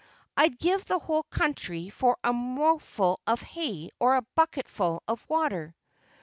I'd give the whole country for a mouthful of hay or a bucketful of water!"